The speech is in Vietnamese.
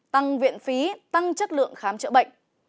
tăng viện phí tăng chất lượng khám chữa bệnh